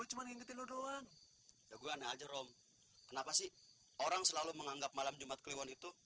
dan aku juga gak nyangka kalau aku bisa sepuluh itu